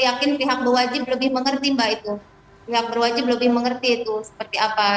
yakin pihak berwajib lebih mengerti mbak itu pihak berwajib lebih mengerti itu seperti apa